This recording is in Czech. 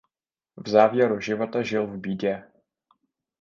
V závěru života žil v bídě.